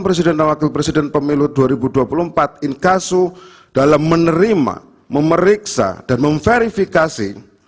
presiden dan wakil presiden pemilu dua ribu dua puluh empat inkasu dalam menerima memeriksa dan memverifikasi